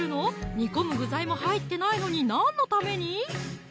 煮込む具材も入ってないのに何のために？